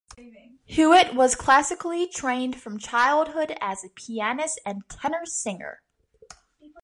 Hewitt was classically trained from childhood as a pianist and tenor singer.